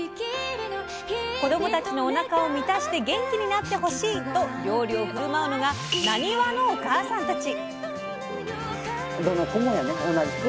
子どもたちのおなかを満たして元気になってほしい！と料理を振る舞うのがなにわのお母さんたち。